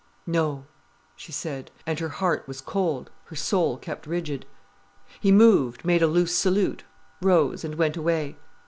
"No," she said, and her heart was cold, her soul kept rigid. He moved, made a loose salute, rose, and went away.